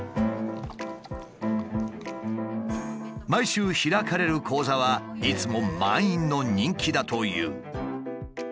毎週開かれる講座はいつも満員の人気だという。